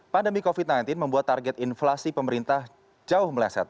pandemi covid sembilan belas membuat target inflasi pemerintah jauh meleset